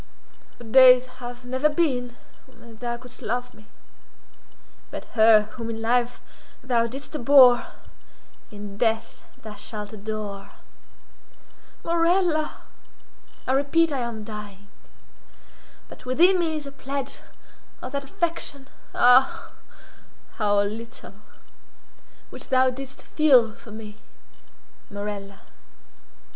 "The days have never been when thou couldst love me—but her whom in life thou didst abhor, in death thou shalt adore." "Morella!" "I repeat that I am dying. But within me is a pledge of that affection—ah, how little!—which thou didst feel for me, Morella.